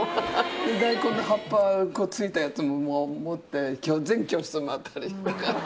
大根の葉っぱ、ついたやつも持って、全教室回ったりして。